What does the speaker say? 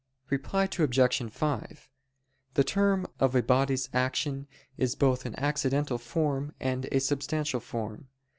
Reply Obj. 5: The term of a body's action is both an accidental form and a substantial form.